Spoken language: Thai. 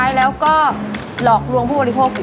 ท้ายแล้วก็หลอกรวงผู้บริโภคดี